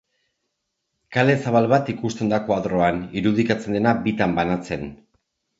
Kale zabal bat ikusten da koadroan irudikatzen dena bitan banatzen.